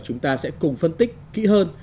và chúng ta sẽ cùng phân tích kỹ hơn